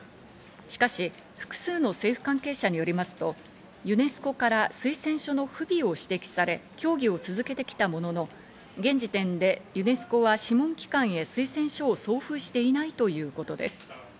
しかし複数の政府関係者によりますと、ユネスコから推薦書の不備を指摘され、協議を続けてきたものの、現時点でユネスコは諮問機関へ推薦書を送付していないということです。